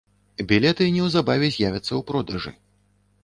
Білеты неўзабаве з'явяцца ў продажы.